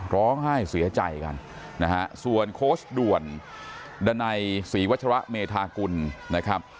ร้องไห้เสียใจกันนะฮะส่วนโค้ชด่วนดันัยศรีวัชระเมธากุลนะครับ